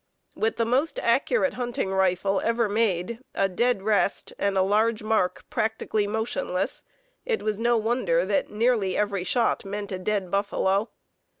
With the most accurate hunting rifle ever made, a "dead rest," and a large mark practically motionless, it was no wonder that nearly every shot meant a dead buffalo.